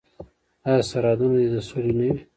آیا سرحدونه دې د سولې نه وي؟